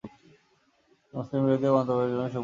তিনি মুসলিম বিরোধী মন্তব্যের জন্য সুপরিচিত ছিলেন।